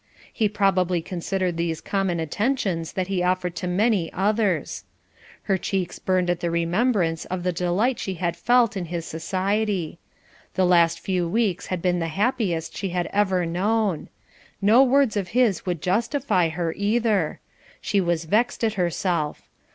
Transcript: He probably considered these common attentions that he offered to many others. Her cheeks burned at the remembrance of the delight she had felt in his society. The last few weeks had been the happiest she had ever known. No words of his would justify her, either. She was vexed at herself.